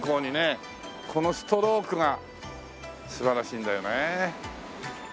このストロークが素晴らしいんだよね。